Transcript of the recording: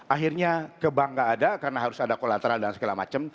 akhirnya ke bank gak ada karena harus ada kolateral dan segala macam